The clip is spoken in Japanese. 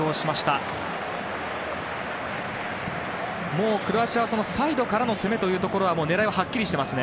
もうクロアチアはサイドからの攻めというところは狙いは、はっきりしてますね。